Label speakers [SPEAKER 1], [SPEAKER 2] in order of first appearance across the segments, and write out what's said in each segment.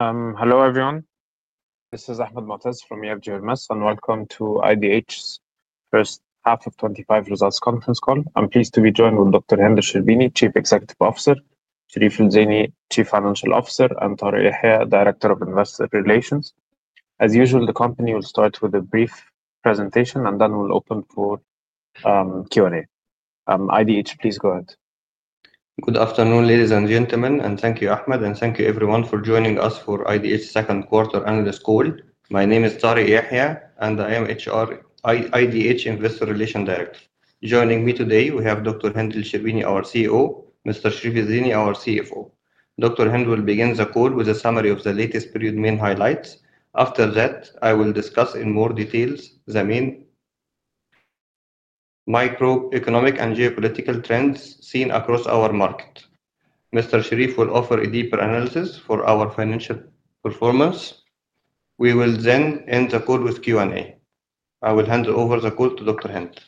[SPEAKER 1] Hello everyone. This is Ahmad Mateezz from EFG Invest and welcome to IDH's first half of 2025 results conference call. I'm pleased to be joined with Dr. Hend El Sherbini, Chief Executive Officer, Sherif El Zeiny, Chief Financial Officer, and Tarek Yehia, Director of Investor Relations. As usual, the company will start with a brief presentation and then we'll open for Q&A. IDH, please go ahead.
[SPEAKER 2] Good afternoon, ladies and gentlemen, and thank you, Ahmad, and thank you everyone for joining us for IDH's second quarter analyst call. My name is Tarek Yehia and I am IDH Investor Relations Director. Joining me today, we have Dr. Hend El Sherbini, our CEO, and Mr. Sherif El Zeiny, our CFO. Dr. Hend will begin the call with a summary of the latest period main highlights. After that, I will discuss in more detail the main macroeconomic and geopolitical trends seen across our market. Mr. Sherif will offer a deeper analysis for our financial performance. We will then end the call with Q&A. I will hand over the call to Dr. Hend.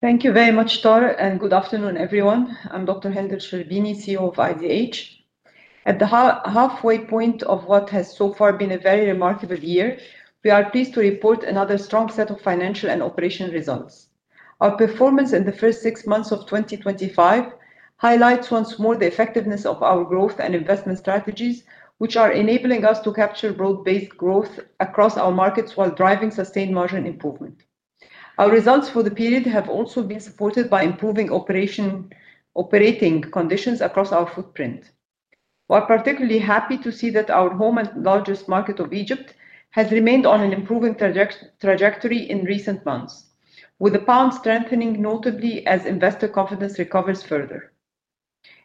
[SPEAKER 3] Thank you very much, Tarek, and good afternoon, everyone. I'm Dr. Hend El Sherbini, CEO of IDH. At the halfway point of what has so far been a very remarkable year, we are pleased to report another strong set of financial and operational results. Our performance in the first six months of 2025 highlights once more the effectiveness of our growth and investment strategies, which are enabling us to capture broad-based growth across our markets while driving sustained margin improvement. Our results for the period have also been supported by improving operating conditions across our footprint. We're particularly happy to see that our home and largest market of Egypt has remained on an improving trajectory in recent months, with the pound strengthening notably as investor confidence recovers further.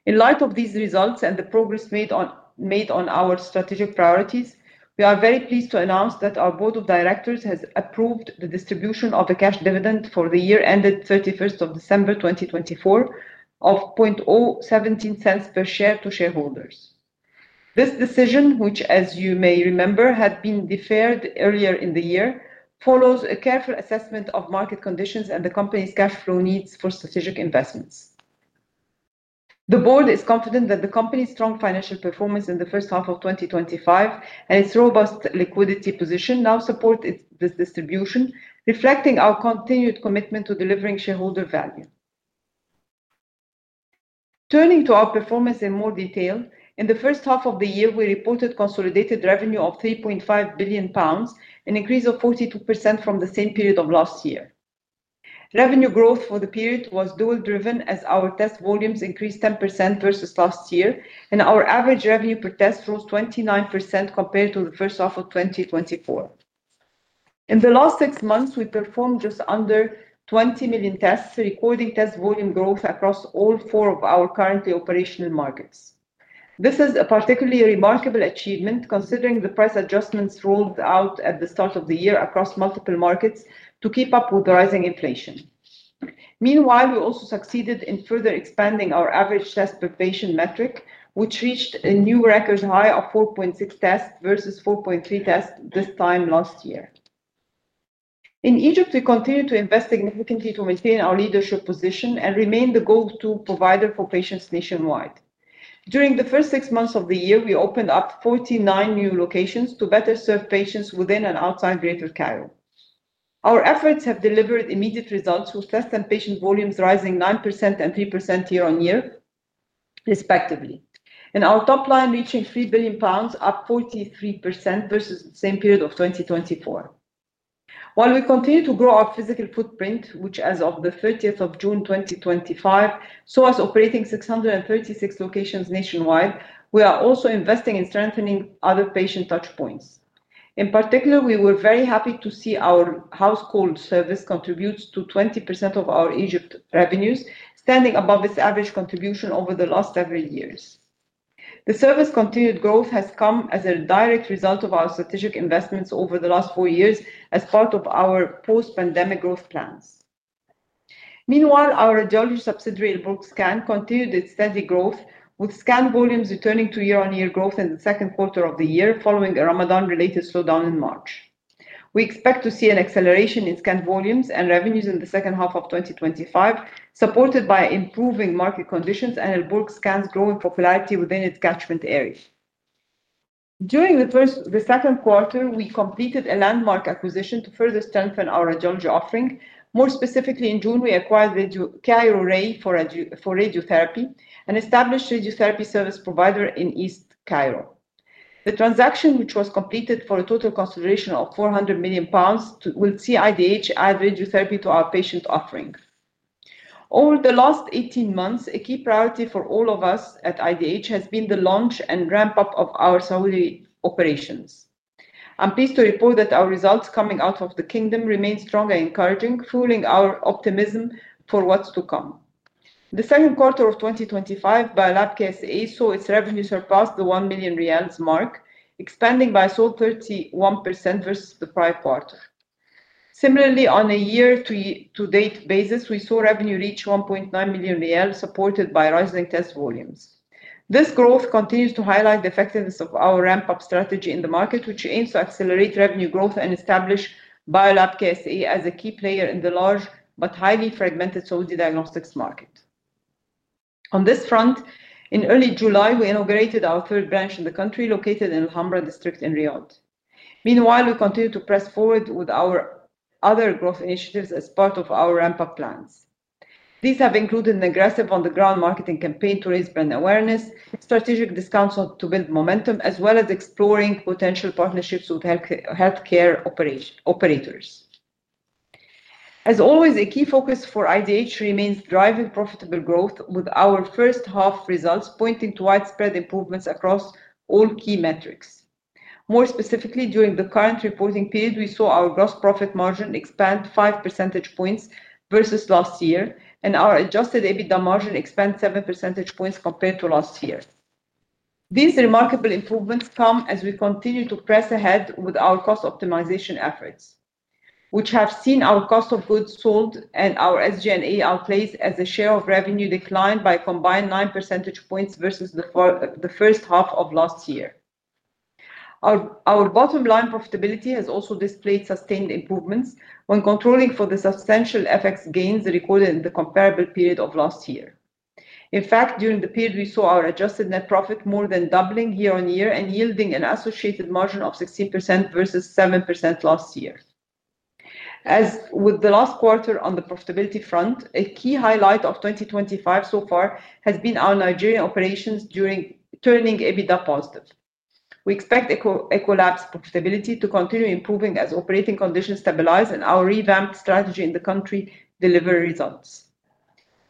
[SPEAKER 3] In light of these results and the progress made on our strategic priorities, we are very pleased to announce that our Board of Directors has approved the distribution of the cash dividend for the year ended December 31, 2024 of $0.00017 per share to shareholders. This decision, which as you may remember had been deferred earlier in the year, follows a careful assessment of market conditions and the company's cash flow needs for strategic investments. The board is confident that the company's strong financial performance in the first half of 2025 and its robust liquidity position now support this distribution, reflecting our continued commitment to delivering shareholder value. Turning to our performance in more detail, in the first half of the year, we reported consolidated revenue of 3.5 billion pounds, an increase of 42% from the same period of last year. Revenue growth for the period was dual-driven as our test volumes increased 10% versus last year, and our average revenue per test rose 29% compared to the first half of 2024. In the last six months, we performed just under 20 million tests, recording test volume growth across all four of our currently operational markets. This is a particularly remarkable achievement considering the price adjustments rolled out at the start of the year across multiple markets to keep up with the rising inflation. Meanwhile, we also succeeded in further expanding our average test per patient metric, which reached a new record high of 4.6 tests versus 4.3 tests this time last year. In Egypt, we continue to invest significantly to maintain our leadership position and remain the go-to provider for patients nationwide. During the first six months of the year, we opened up 49 new locations to better serve patients within and outside Greater Cairo. Our efforts have delivered immediate results, with test and patient volumes rising 9% and 3% year on year, respectively, and our top line reaching 3 billion pounds, up 43% versus the same period of 2024. While we continue to grow our physical footprint, which as of the 30th of June 2025 saw us operating 636 locations nationwide, we are also investing in strengthening other patient touchpoints. In particular, we were very happy to see our house call service contribute to 20% of our Egypt revenues, standing above its average contribution over the last several years. The service's continued growth has come as a direct result of our strategic investments over the last four years as part of our post-pandemic growth plans. Meanwhile, our radiology subsidiary Al-Borg Scan continued its steady growth, with scan volumes returning to year-on-year growth in the second quarter of the year following a Ramadan-related slowdown in March. We expect to see an acceleration in scan volumes and revenues in the second half of 2025, supported by improving market conditions and Al-Borg Scan's growing popularity within its catchment areas. During the second quarter, we completed a landmark acquisition to further strengthen our radiology offering. More specifically, in June, we acquired Cairo RAY for radiotherapy and established a radiotherapy service provider in East Cairo. The transaction, which was completed for a total consideration of 400 million pounds, will see IDH add radiotherapy to our patient offering. Over the last 18 months, a key priority for all of us at IDH has been the launch and ramp-up of our Saudi operations. I'm pleased to report that our results coming out of the Kingdom remain strong and encouraging, fueling our optimism for what's to come. The second quarter of 2025, BioLab KSA saw its revenue surpass the 1 million riyals mark, expanding by a solid 31% versus the prior quarter. Similarly, on a year-to-date basis, we saw revenue reach 1.9 million riyal, supported by rising test volumes. This growth continues to highlight the effectiveness of our ramp-up strategy in the market, which aims to accelerate revenue growth and establish BioLab KSA as a key player in the large but highly fragmented Saudi diagnostics market. On this front, in early July, we inaugurated our third branch in the country, located in Alhambra District in Riyadh. Meanwhile, we continue to press forward with our other growth initiatives as part of our ramp-up plans. These have included an aggressive on-the-ground marketing campaign to raise brand awareness, strategic discounts to build momentum, as well as exploring potential partnerships with healthcare operators. As always, a key focus for Integrated Diagnostics Holdings (IDH) remains driving profitable growth, with our first half results pointing to widespread improvements across all key metrics. More specifically, during the current reporting period, we saw our gross profit margin expand 5 percentage points versus last year, and our adjusted EBITDA margin expand 7 percentage points compared to last year. These remarkable improvements come as we continue to press ahead with our cost optimization efforts, which have seen our cost of goods sold and our SG&A outlays as a share of revenue decline by a combined 9 percentage points versus the first half of last year. Our bottom line profitability has also displayed sustained improvements when controlling for the substantial FX gains recorded in the comparable period of last year. In fact, during the period, we saw our adjusted net profit more than doubling year on year and yielding an associated margin of 16% versus 7% last year. As with the last quarter on the profitability front, a key highlight of 2025 so far has been our Nigeria operations turning EBITDA positive. We expect equilibrium profitability to continue improving as operating conditions stabilize and our revamped strategy in the country delivers results.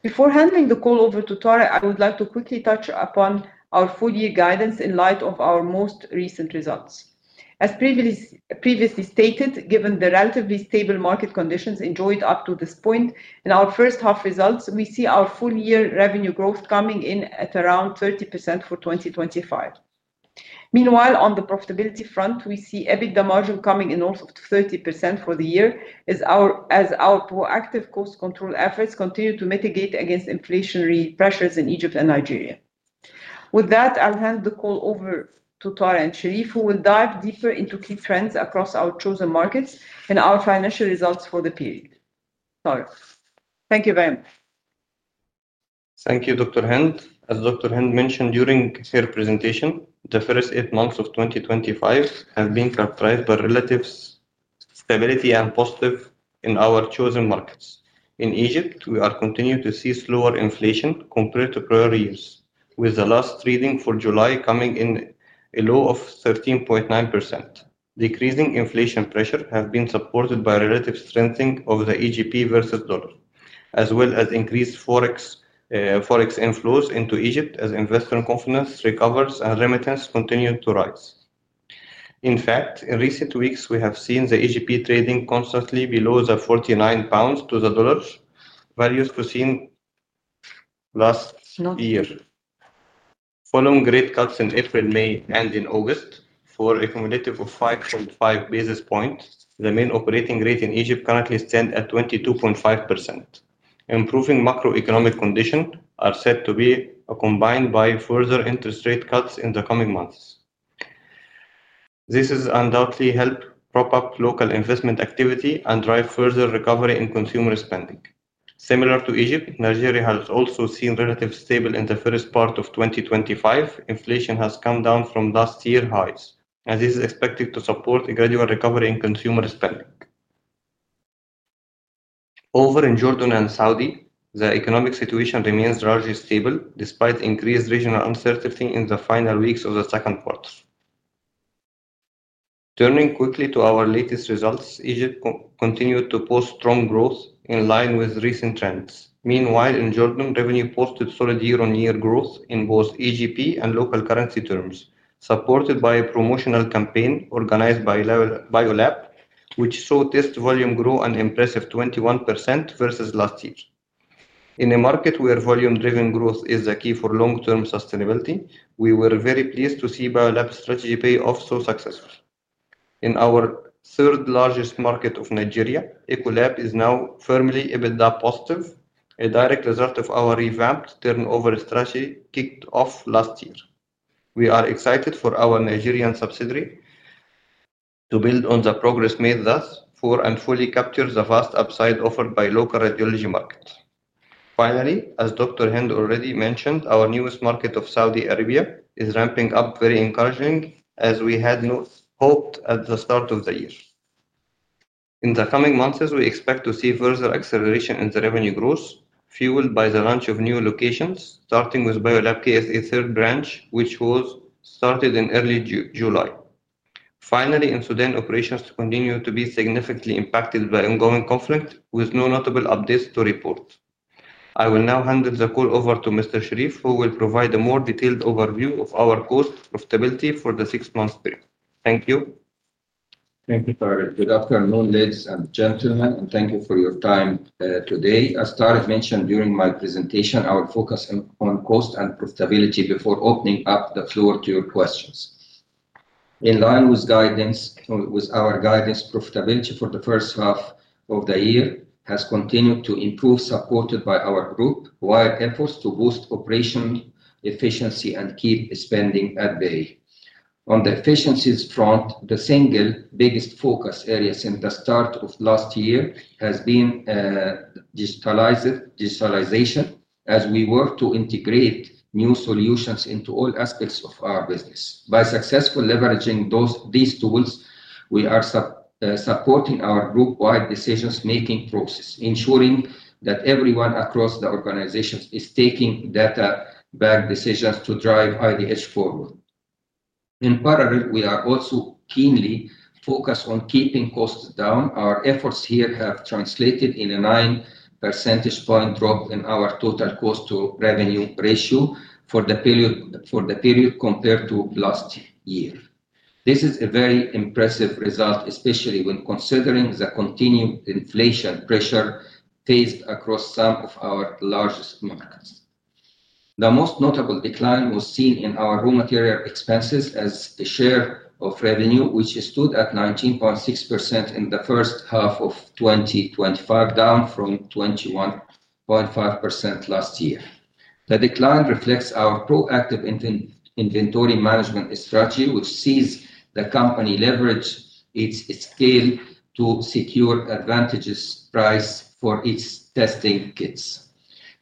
[SPEAKER 3] Before handing the call over to Tarek, I would like to quickly touch upon our full-year guidance in light of our most recent results. As previously stated, given the relatively stable market conditions enjoyed up to this point in our first half results, we see our full-year revenue growth coming in at around 30% for 2025. Meanwhile, on the profitability front, we see EBITDA margin coming in north of 30% for the year as our proactive cost control efforts continue to mitigate against inflationary pressures in Egypt and Nigeria. With that, I'll hand the call over to Tarek and Sherif, who will dive deeper into key trends across our chosen markets and our financial results for the period. Tarek, thank you very much.
[SPEAKER 2] Thank you, Dr. Hend El Sherbini. As Dr. Hend El Sherbini mentioned during her presentation, the first eight months of 2025 have been characterized by relative stability and positivity in our chosen markets. In Egypt, we are continuing to see slower inflation compared to prior years, with the last reading for July coming in at a low of 13.9%. Decreasing inflation pressure has been supported by relative strengthening of the EGP versus the dollar, as well as increased forex inflows into Egypt as investor confidence recovers and remittance continues to rise. In fact, in recent weeks, we have seen the EGP trading constantly below the 49 pounds to the dollar values foreseen last year. Following rate cuts in April, May, and in August for a cumulative of 5.5 basis points, the main operating rate in Egypt currently stands at 22.5%. Improving macroeconomic conditions are said to be combined with further interest rate cuts in the coming months. This has undoubtedly helped prop up local investment activity and drive further recovery in consumer spending. Similar to Egypt, Nigeria has also seen relative stability in the first part of 2025. Inflation has come down from last year's highs, and this is expected to support a gradual recovery in consumer spending. Over in Jordan and Saudi Arabia, the economic situation remains largely stable despite increased regional uncertainty in the final weeks of the second quarter. Turning quickly to our latest results, Egypt continued to post strong growth in line with recent trends. Meanwhile, in Jordan, revenue posted solid year-on-year growth in both EGP and local currency terms, supported by a promotional campaign organized by BioLab, which saw test volumes grow an impressive 21% versus last year. In a market where volume-driven growth is the key for long-term sustainability, we were very pleased to see BioLab's strategy pay off so successfully. In our third largest market of Nigeria, BioLab is now firmly EBITDA positive, a direct result of our revamped turnover strategy kicked off last year. We are excited for our Nigerian subsidiary to build on the progress made thus far and fully capture the vast upside offered by the local radiology market. Finally, as Dr. Hend El Sherbini already mentioned, our newest market of Saudi Arabia is ramping up, very encouraging, as we had hoped at the start of the year. In the coming months, we expect to see further acceleration in the revenue growth, fueled by the launch of new locations, starting with BioLab KSA's third branch, which was started in early July. Finally, in Sudan, operations continue to be significantly impacted by ongoing conflict, with no notable updates to report. I will now hand the call over to Mr. Sherif El Zeiny, who will provide a more detailed overview of our cost profitability for the six-month period. Thank you.
[SPEAKER 4] Thank you, Tarek. Good afternoon, ladies and gentlemen, and thank you for your time today. As Tarek mentioned during my presentation, I will focus on cost and profitability before opening up the floor to your questions. In line with our guidance, profitability for the first half of the year has continued to improve, supported by our group, via efforts to boost operational efficiency and keep spending at bay. On the efficiency front, the single biggest focus area since the start of last year has been digitalization, as we work to integrate new solutions into all aspects of our business. By successfully leveraging these tools, we are supporting our group-wide decision-making process, ensuring that everyone across the organization is taking data-backed decisions to drive IDH forward. In parallel, we are also keenly focused on keeping costs down. Our efforts here have translated in a 9 percentage point drop in our total cost-to-revenue ratio for the period compared to last year. This is a very impressive result, especially when considering the continued inflation pressure faced across some of our largest markets. The most notable decline was seen in our raw material expenses as a share of revenue, which stood at 19.6% in the first half of 2025, down from 21.5% last year. The decline reflects our proactive inventory management strategy, which sees the company leverage its scale to secure advantageous price for its testing kits.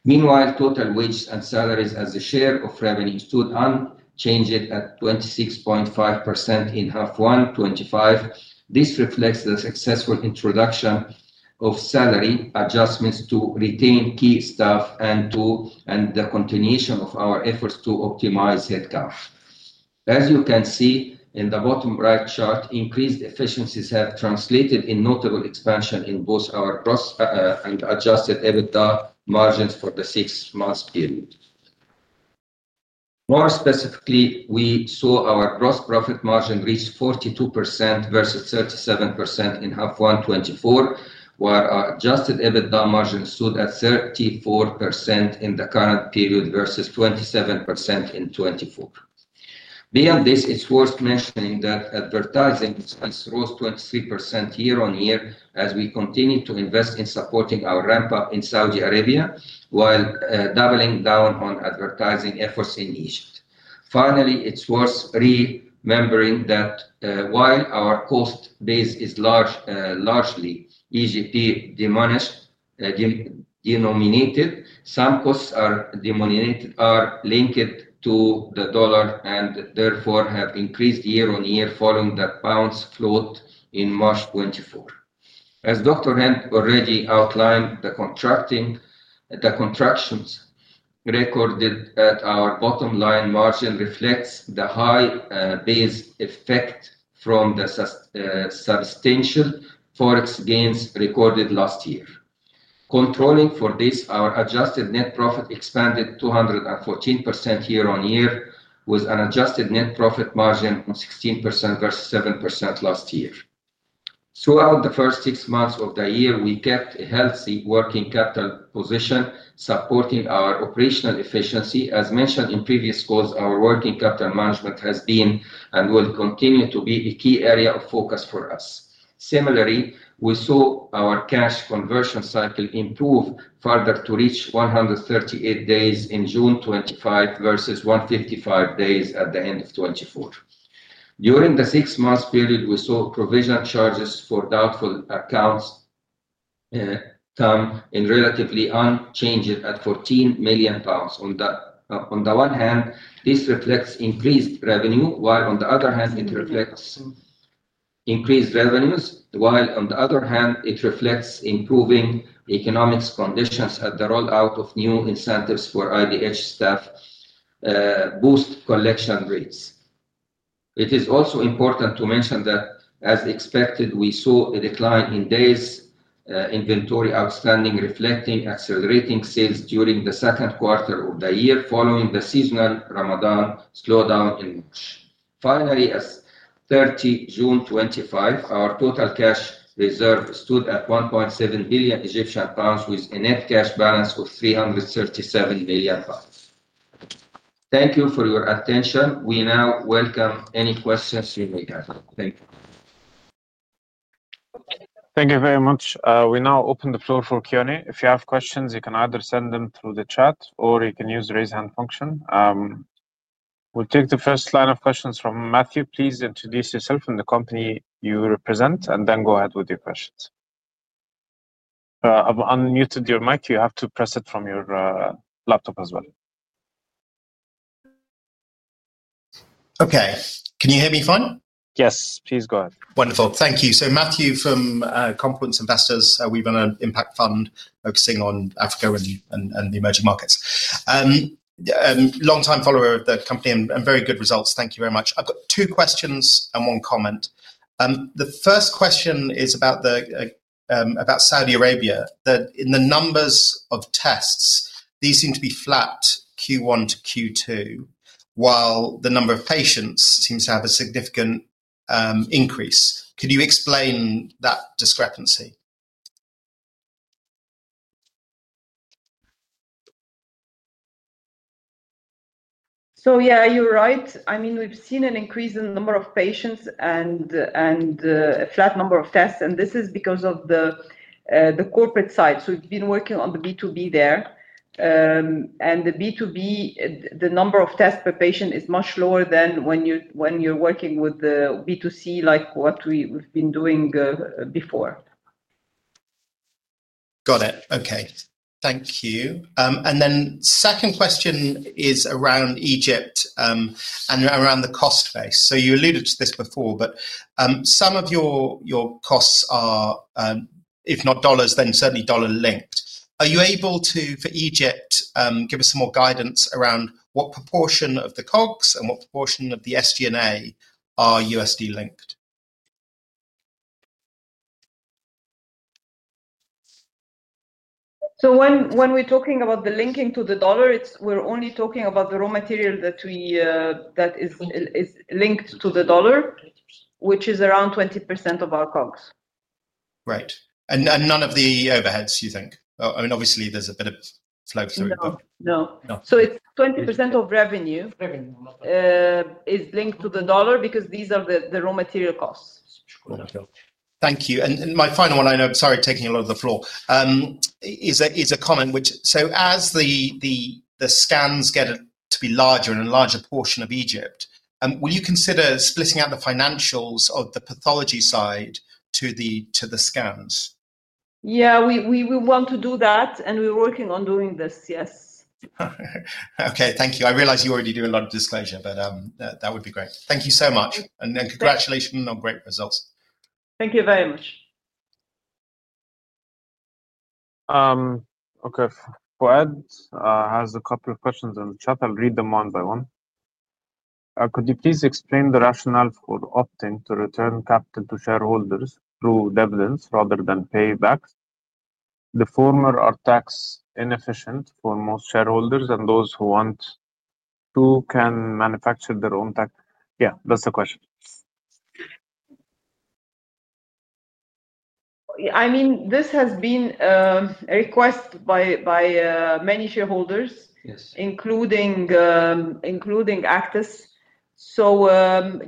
[SPEAKER 4] Meanwhile, total wages and salaries as a share of revenue stood unchanged at 26.5% in half 2025. This reflects the successful introduction of salary adjustments to retain key staff and the continuation of our efforts to optimize headcount. As you can see in the bottom right chart, increased efficiencies have translated in notable expansion in both our gross and adjusted EBITDA margins for the six-month period. More specifically, we saw our gross profit margin reach 42% versus 37% in half 2024, where our adjusted EBITDA margin stood at 34% in the current period versus 27% in 2024. Beyond this, it's worth mentioning that advertising has rose 23% year on year as we continue to invest in supporting our ramp-up in Saudi Arabia while doubling down on advertising efforts in Egypt. Finally, it's worth remembering that while our cost base is largely EGP-denominated, some costs are USD-linked and therefore have increased year on year following the pound's float in March 2024. As Dr. As already outlined, the contractions recorded at our bottom line margin reflect the high base effect from the substantial forex gains recorded last year. Controlling for this, our adjusted net profit expanded 214% year on year, with an adjusted net profit margin of 16% versus 7% last year. Throughout the first six months of the year, we kept a healthy working capital position, supporting our operational efficiency. As mentioned in previous calls, our working capital management has been and will continue to be a key area of focus for us. Similarly, we saw our cash conversion cycle improve further to reach 138 days in June 2025 versus 135 days at the end of 2024. During the six-month period, we saw provisional charges for doubtful accounts come in relatively unchanged at 14 million pounds. On the one hand, this reflects increased revenue, while on the other hand, it reflects improving economic conditions at the rollout of new incentives for Integrated Diagnostics Holdings staff to boost collection rates. It is also important to mention that, as expected, we saw a decline in days inventory outstanding, reflecting accelerating sales during the second quarter of the year following the seasonal Ramadan slowdown in Egypt. Finally, as per June 2025, our total cash reserve stood at 1.7 billion Egyptian pounds, with an end cash balance of 337 million pounds. Thank you for your attention. We now welcome any questions you may have. Thank you.
[SPEAKER 1] Thank you very much. We now open the floor for Q&A. If you have questions, you can either send them through the chat or you can use the raise hand function. We'll take the first line of questions from Matthew. Please introduce yourself and the company you represent, and then go ahead with your questions. I've unmuted your mic. You have to press it from your laptop as well.
[SPEAKER 5] Okay, can you hear me fine?
[SPEAKER 1] Yes, please go ahead.
[SPEAKER 5] Wonderful. Thank you. Matthew from Confluence Investors, we run an impact fund focusing on Africa and the emerging markets. I'm a long-time follower of Integrated Diagnostics Holdings and very good results. Thank you very much. I've got two questions and one comment. The first question is about Saudi Arabia. In the numbers of tests, these seem to be flat Q1 to Q2, while the number of patients seems to have a significant increase. Could you explain that discrepancy?
[SPEAKER 3] You're right. I mean, we've seen an increase in the number of patients and a flat number of tests, and this is because of the corporate side. We've been working on the B2B there, and the B2B, the number of tests per patient is much lower than when you're working with the B2C, like what we've been doing before.
[SPEAKER 5] Got it. Okay. Thank you. The second question is around Egypt and around the cost base. You alluded to this before, but some of your costs are, if not dollars, then certainly dollar-linked. Are you able to, for Egypt, give us some more guidance around what proportion of the COGS and what proportion of the SG&A are USD-linked?
[SPEAKER 3] When we're talking about the linking to the dollar, we're only talking about the raw material that is USD-linked, which is around 20% of our COGS.
[SPEAKER 5] Right. None of the overheads, you think? Obviously, there's a bit of flow through, but.
[SPEAKER 3] No. No. It's 20% of revenue is USD-linked because these are the raw material costs.
[SPEAKER 5] Thank you. My final one, I'm sorry for taking a lot of the floor, is a comment. As the scans get to be a larger and larger portion of Egypt, will you consider splitting out the financials of the pathology side to the scans?
[SPEAKER 3] Yeah, we want to do that and we're working on doing this, yes.
[SPEAKER 5] Okay. Thank you. I realize you already do a lot of disclosure, but that would be great. Thank you so much. Congratulations on great results.
[SPEAKER 3] Thank you very much.
[SPEAKER 1] Okay. Fouad has a couple of questions in the chat. I'll read them one by one. Could you please explain the rationale for opting to return capital to shareholders through dividends rather than payback? The former are tax-inefficient for most shareholders, and those who want to can manufacture their own tax. Yeah, that's the question.
[SPEAKER 3] This has been a request by many shareholders, including Actis.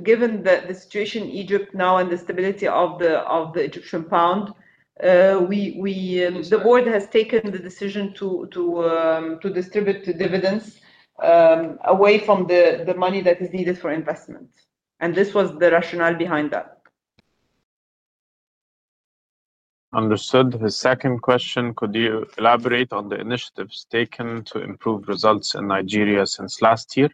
[SPEAKER 3] Given the situation in Egypt now and the stability of the Egyptian pound, the board has taken the decision to distribute dividends away from the money that is needed for investment. This was the rationale behind that.
[SPEAKER 1] Understood. The second question, could you elaborate on the initiatives taken to improve results in Nigeria since last year?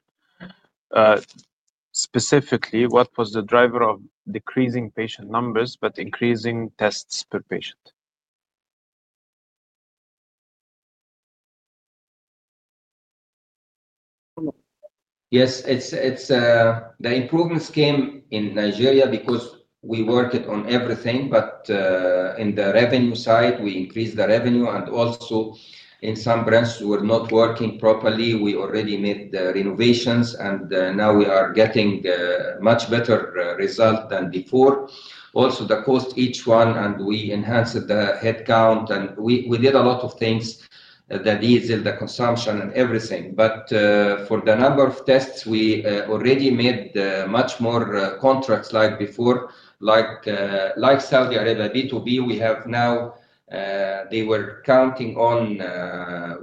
[SPEAKER 1] Specifically, what was the driver of decreasing patient numbers but increasing tests per patient?
[SPEAKER 4] Yes, the improvements came in Nigeria because we worked on everything, but on the revenue side, we increased the revenue. Also, in some branches, we were not working properly. We already made the renovations, and now we are getting a much better result than before. Also, the cost each one, and we enhanced the headcount. We did a lot of things, the diesel, the consumption, and everything. For the number of tests, we already made much more contracts like before. Like Saudi Arabia B2B, we have now, they were counting on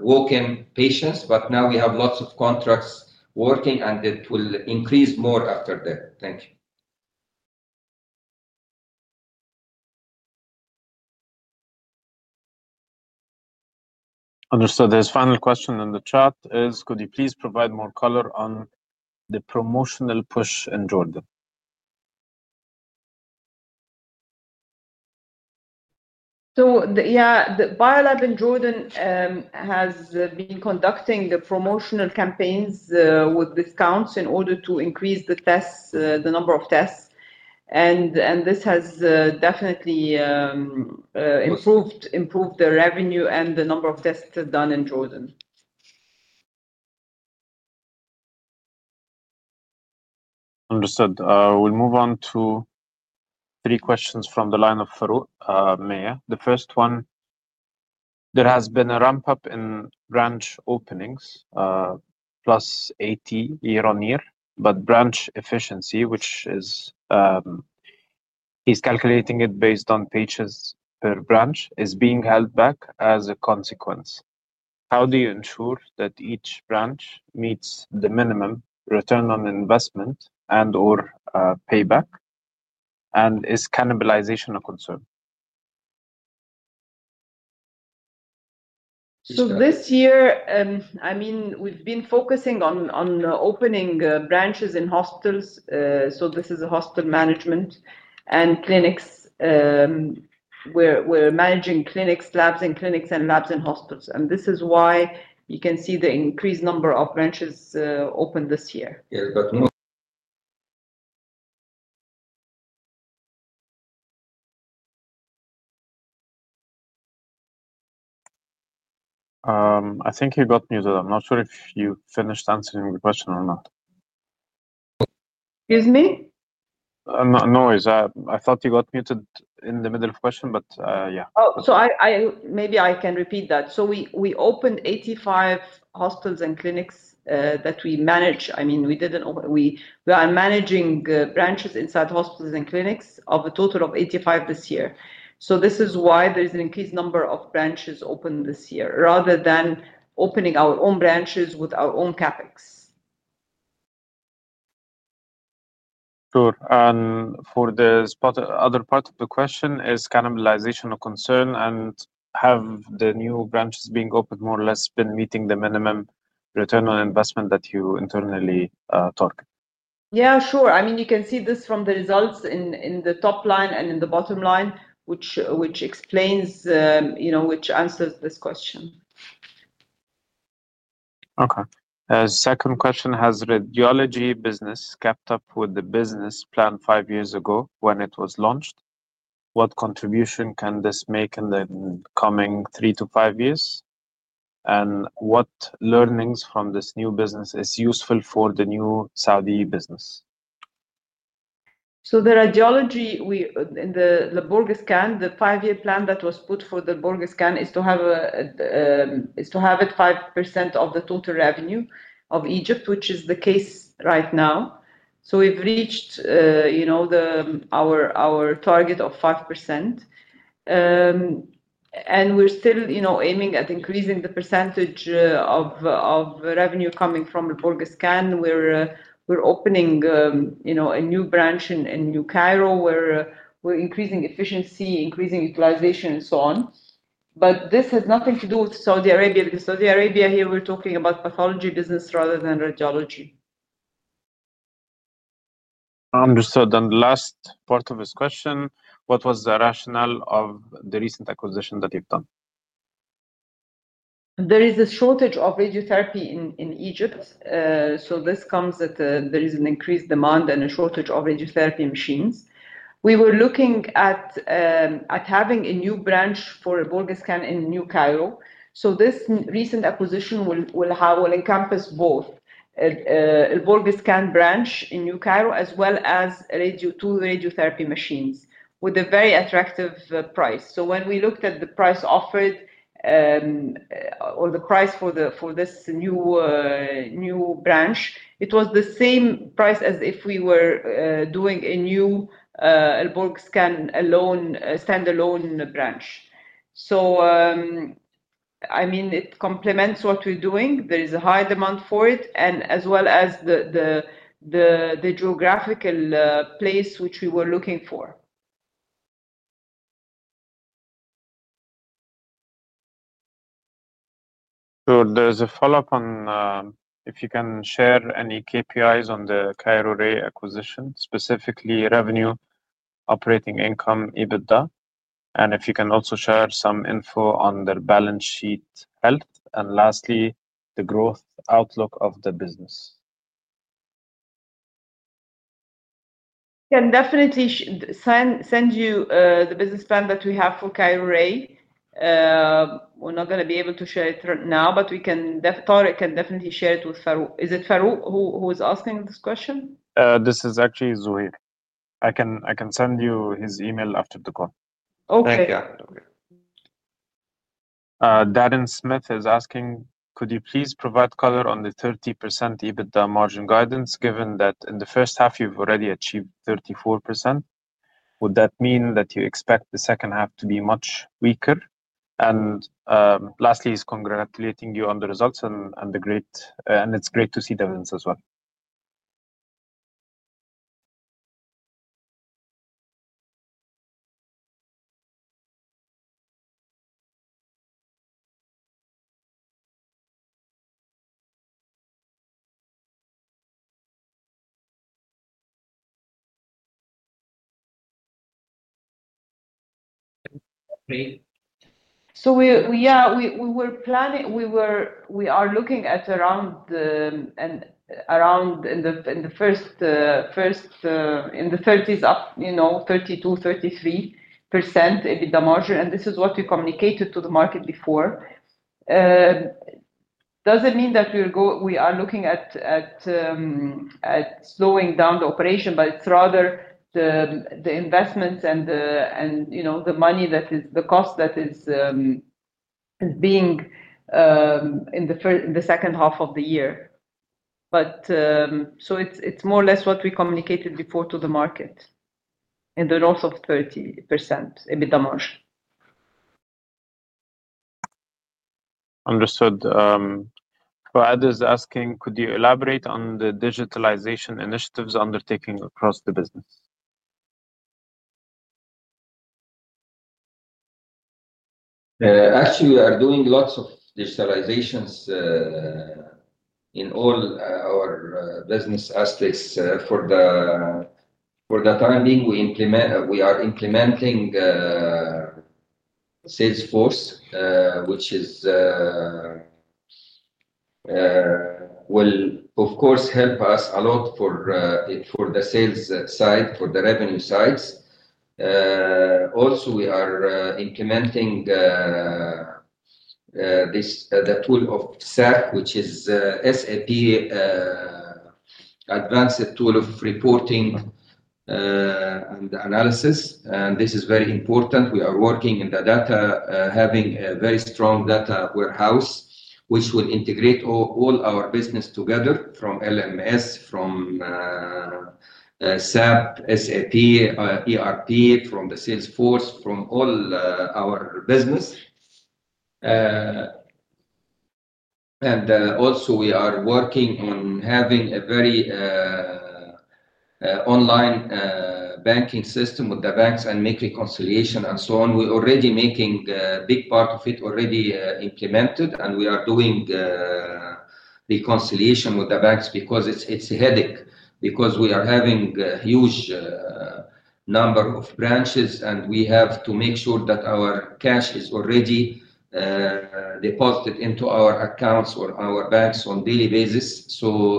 [SPEAKER 4] walk-in patients, but now we have lots of contracts working, and it will increase more after that. Thank you.
[SPEAKER 1] Understood. There's a final question in the chat. Could you please provide more color on the promotional push in Jordan?
[SPEAKER 3] BioLab in Jordan has been conducting the promotional campaigns with discounts in order to increase the tests, the number of tests. This has definitely improved the revenue and the number of tests done in Jordan.
[SPEAKER 1] Understood. We'll move on to three questions from the line of Farouk Mia. The first one, there has been a ramp-up in branch openings, plus 80 year on year, but branch efficiency, which is he's calculating it based on pages per branch, is being held back as a consequence. How do you ensure that each branch meets the minimum return on investment and/or payback? Is cannibalization a concern?
[SPEAKER 3] This year, I mean, we've been focusing on opening branches in hospitals. This is a hospital management and clinics. We're managing clinics, labs in clinics, and labs in hospitals. This is why you can see the increased number of branches opened this year.
[SPEAKER 1] I think you got muted. I'm not sure if you finished answering the question or not.
[SPEAKER 3] Excuse me?
[SPEAKER 1] No worries. I thought you got muted in the middle of the question, but yeah.
[SPEAKER 3] Maybe I can repeat that. We opened 85 hospitals and clinics that we manage. I mean, we are managing branches inside hospitals and clinics, a total of 85 this year. This is why there is an increased number of branches opened this year rather than opening our own branches with our own CapEx.
[SPEAKER 1] Sure. For the other part of the question, is cannibalization a concern? Have the new branches being opened more or less been meeting the minimum return on investment that you internally target?
[SPEAKER 3] Yeah, sure. I mean, you can see this from the results in the top line and in the bottom line, which explains, you know, which answers this question.
[SPEAKER 1] Okay. The second question: has the radiology business kept up with the business plan five years ago when it was launched? What contribution can this make in the coming three to five years? What learnings from this new business are useful for the new Saudi business?
[SPEAKER 3] The radiology in Al-Borg Scan, the five-year plan that was put for Al-Borg Scan is to have it 5% of the total revenue of Egypt, which is the case right now. We've reached our target of 5%, and we're still aiming at increasing the percentage of revenue coming from Al-Borg Scan. We're opening a new branch in New Cairo where we're increasing efficiency, increasing utilization, and so on. This has nothing to do with Saudi Arabia because in Saudi Arabia, we're talking about pathology business rather than radiology.
[SPEAKER 1] Understood. The last part of this question, what was the rationale of the recent acquisition that you've done?
[SPEAKER 3] There is a shortage of radiotherapy in Egypt. This comes as there is an increased demand and a shortage of radiotherapy machines. We were looking at having a new branch for Al-Borg Scan in New Cairo. This recent acquisition will encompass both the Al-Borg Scan branch in New Cairo as well as two radiotherapy machines with a very attractive price. When we looked at the price offered or the price for this new branch, it was the same price as if we were doing a new Al-Borg Scan standalone branch. It complements what we're doing. There is a high demand for it, as well as the geographical place which we were looking for.
[SPEAKER 1] There's a follow-up on if you can share any KPIs on the Cairo RAY acquisition, specifically revenue, operating income, EBITDA, and if you can also share some info on their balance sheet health, and lastly, the growth outlook of the business.
[SPEAKER 3] Can definitely send you the business plan that we have for Cairo RAY. We're not going to be able to share it right now, but Tarek can definitely share it with Farouk. Is it Farouk who is asking this question?
[SPEAKER 1] This is actually Zuhir. I can send you his email after the call.
[SPEAKER 3] Okay.
[SPEAKER 1] Thank you. Darren Smith is asking, could you please provide color on the 30% EBITDA margin guidance given that in the first half you've already achieved 34%? Would that mean that you expect the second half to be much weaker? Lastly, he's congratulating you on the results, and it's great to see the wins as well.
[SPEAKER 3] Yeah, we were planning, we are looking at around the first in the 30s up, you know, 32, 33% EBITDA margin. This is what we communicated to the market before. It doesn't mean that we are looking at slowing down the operation, it's rather the investments and the, you know, the money that is the cost that is being in the second half of the year. It's more or less what we communicated before to the market in the north of 30% EBITDA margin.
[SPEAKER 1] Understood. Fouad is asking, could you elaborate on the digitalization initiatives undertaken across the business?
[SPEAKER 4] Actually, we are doing lots of digitalization in all our business aspects. For the time being, we are implementing Salesforce, which will, of course, help us a lot for the sales side, for the revenue sides. Also, we are implementing the tool of SAP, which is S-A-P, Advanced Tool of Reporting and Analysis. This is very important. We are working in the data, having a very strong data warehouse, which will integrate all our business together from LMS, from SAP, SAP, ERP, from the Salesforce, from all our business. We are working on having a very online banking system with the banks and make reconciliation and so on. We're already making a big part of it already implemented, and we are doing reconciliation with the banks because it's a headache because we are having a huge number of branches, and we have to make sure that our cash is already deposited into our accounts or our banks on a daily basis.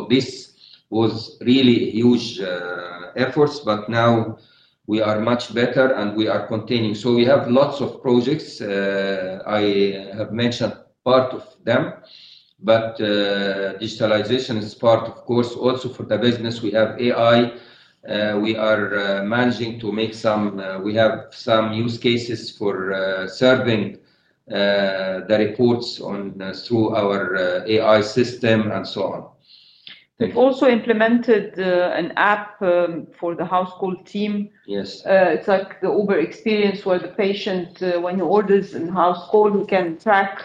[SPEAKER 4] This was really a huge effort, but now we are much better, and we are continuing. We have lots of projects. I have mentioned part of them, but digitalization is part, of course, also for the business. We have AI. We are managing to make some, we have some use cases for serving the reports through our AI system and so on.
[SPEAKER 3] We've also implemented an app for the house call service team. It's like the Uber experience where the patient, when he orders in house call, can track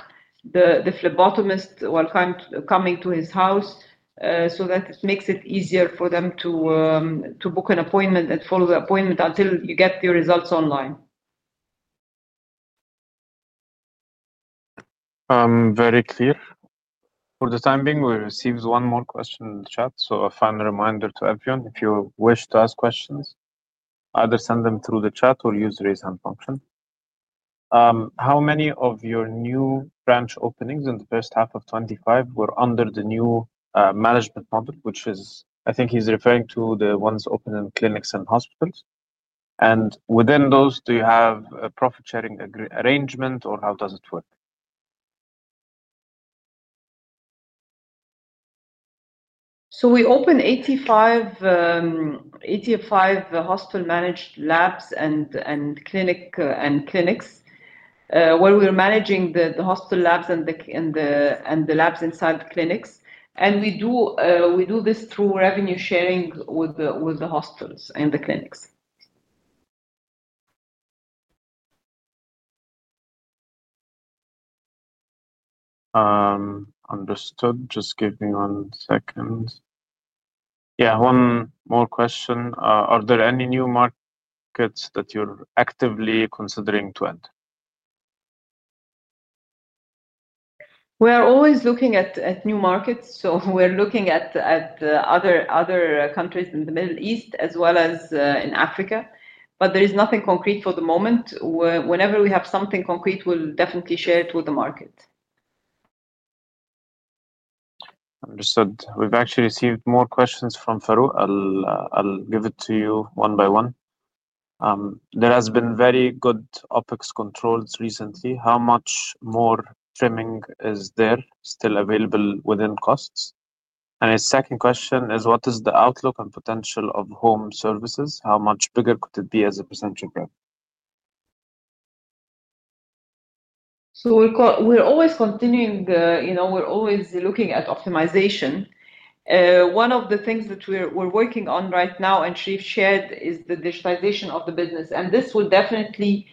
[SPEAKER 3] the phlebotomist while coming to his house, so that it makes it easier for them to book an appointment and follow the appointment until you get your results online.
[SPEAKER 1] Very clear. For the time being, we received one more question in the chat. A fun reminder to everyone, if you wish to ask questions, either send them through the chat or use the raise hand function. How many of your new branch openings in the first half of 2025 were under the new management model, which is, I think he's referring to the ones open in clinics and hospitals? Within those, do you have a profit-sharing arrangement, or how does it work?
[SPEAKER 3] We opened 85 hospital-managed labs and clinics where we were managing the hospital labs and the labs inside the clinics. We do this through revenue sharing with the hospitals and the clinics.
[SPEAKER 1] Understood. Just give me one second. Yeah, one more question. Are there any new markets that you're actively considering to add?
[SPEAKER 3] We are always looking at new markets. We are looking at other countries in the Middle East as well as in Africa, but there is nothing concrete for the moment. Whenever we have something concrete, we'll definitely share it with the market.
[SPEAKER 1] Understood. We've actually received more questions from Farouk. I'll give it to you one by one. There has been very good OPEX controls recently. How much more trimming is there still available within costs? His second question is, what is the outlook and potential of home services? How much bigger could it be as a % growth?
[SPEAKER 3] We're always continuing, you know, we're always looking at optimization. One of the things that we're working on right now, and Sherif shared, is the digitalization of the business. This will definitely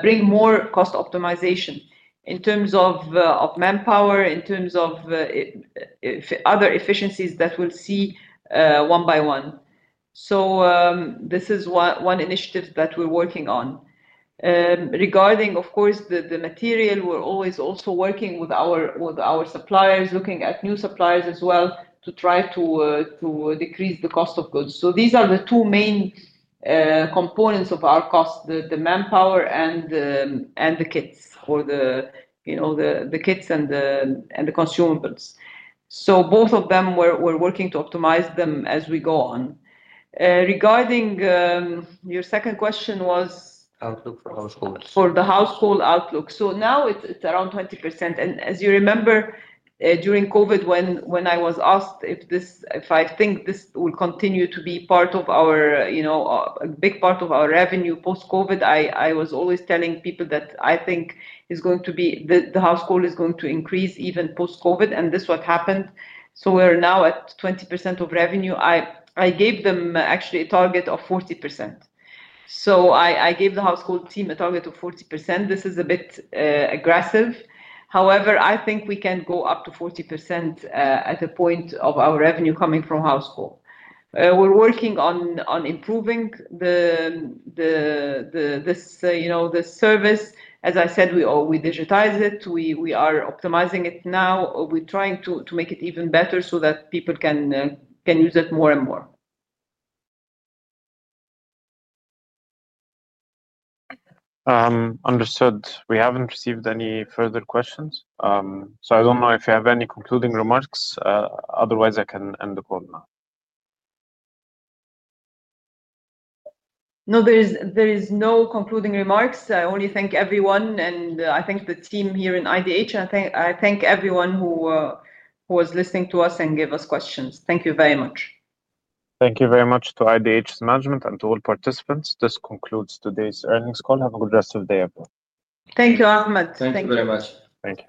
[SPEAKER 3] bring more cost optimization in terms of manpower, in terms of other efficiencies that we'll see one by one. This is one initiative that we're working on. Regarding, of course, the material, we're always also working with our suppliers, looking at new suppliers as well to try to decrease the cost of goods. These are the two main components of our costs, the manpower and the kits, or the kits and the consumables. Both of them, we're working to optimize them as we go on. Regarding your second question was.
[SPEAKER 1] Outlook for households.
[SPEAKER 3] For the household outlook, now it's around 20%. As you remember, during COVID, when I was asked if I think this will continue to be part of our, you know, a big part of our revenue post-COVID, I was always telling people that I think it's going to be, the household is going to increase even post-COVID. This is what happened. We're now at 20% of revenue. I gave them actually a target of 40%. I gave the household team a target of 40%. This is a bit aggressive. However, I think we can go up to 40% at a point of our revenue coming from household. We're working on improving this, you know, the service. As I said, we digitize it. We are optimizing it now. We're trying to make it even better so that people can use it more and more.
[SPEAKER 1] Understood. We haven't received any further questions. I don't know if you have any concluding remarks. Otherwise, I can end the call now.
[SPEAKER 3] No, there are no concluding remarks. I only thank everyone, and I thank the team here in IDH, and I thank everyone who was listening to us and gave us questions. Thank you very much.
[SPEAKER 1] Thank you very much to IDH's management and to all participants. This concludes today's earnings call. Have a good rest of the day, everyone.
[SPEAKER 3] Thank you, Ahmad.
[SPEAKER 4] Thank you very much.
[SPEAKER 1] Thank you.